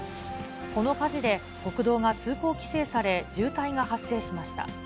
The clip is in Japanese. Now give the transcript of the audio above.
この火事で、国道が通行規制され、渋滞が発生しました。